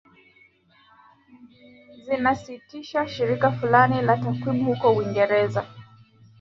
zinasikitisha Shirika fulani la takwimu huko Uingereza